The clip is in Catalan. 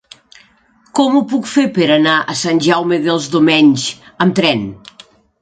Com ho puc fer per anar a Sant Jaume dels Domenys amb tren?